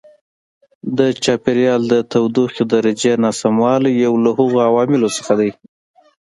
د چاپېریال د تودوخې درجې ناسموالی یو له هغو عواملو څخه دی.